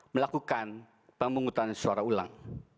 melakukan pembungkutan suara ulang